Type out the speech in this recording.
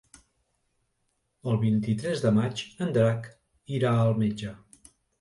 El vint-i-tres de maig en Drac irà al metge.